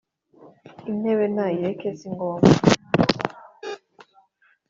intebe nayireke si ngombwa